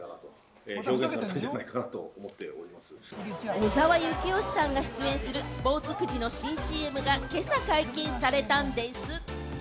小澤征悦さんが出演するスポーツくじの新ＣＭが今朝、解禁されたんでぃす！